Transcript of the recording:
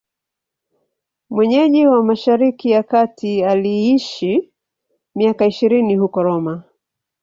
Mwenyeji wa Mashariki ya Kati, aliishi miaka ishirini huko Roma.